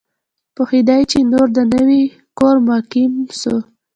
پوهېدی چي نور د نوي کور مقیم سو